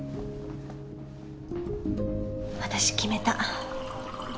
私決めた。